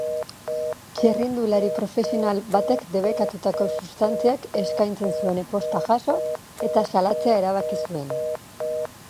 Txirrindulari profesional batekdebekatutako substantziak eskaintzen zuen e-posta jaso eta salatzeaerabaki zuen.